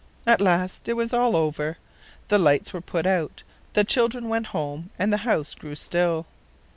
At last it was all over. The lights were put out, the children went home, and the house grew still.